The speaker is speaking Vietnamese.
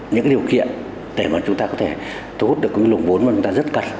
những điều kiện để mà chúng ta có thể thu hút được những lùng vốn mà chúng ta rất cần